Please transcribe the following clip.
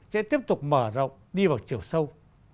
sẽ tiếp tục mở rộng đi vào chiều sâu